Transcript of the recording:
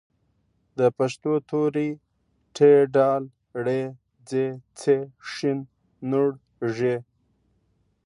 د پښتو توري: ټ، ډ، ړ، ځ، څ، ښ، ڼ، ږ